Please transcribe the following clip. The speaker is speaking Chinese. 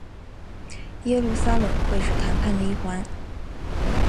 耶路撒冷会是谈判的一环。